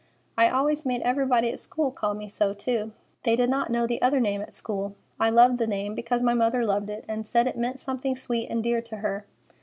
I always made everybody at school call me so too. They did not know the other name at school. I love the name because my mother loved it, and said it meant something sweet and dear to her."